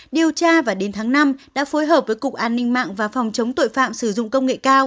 điều tra và đến tháng năm đã phối hợp với cục an ninh mạng và phòng chống tội phạm sử dụng công nghệ cao